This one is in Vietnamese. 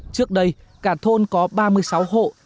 trước đây cả thôn có ba mươi sáu hộ